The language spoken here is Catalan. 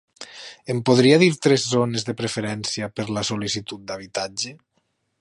Em podria dir tres zones de preferència per la sol·licitud d'habitatge?